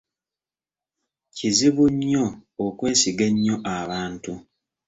Kizibu nnyo okwesiga ennyo abantu.